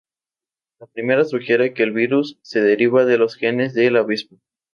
La primera sugiere que el virus se deriva de los genes de la avispa.